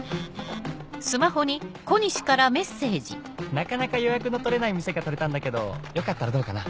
「なかなか予約の取れない店が取れたんだけどよかったらどうかな？」。